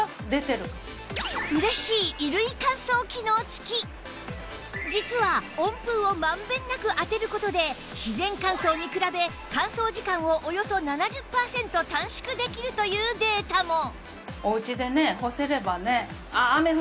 さらに実は温風をまんべんなく当てる事で自然乾燥に比べ乾燥時間をおよそ７０パーセント短縮できるというデータも